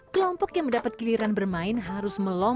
kelompok yang mendapat giliran bermain harus melonggar